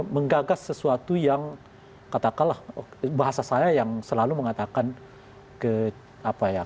menggagas sesuatu yang katakanlah bahasa saya yang selalu mengatakan ke apa ya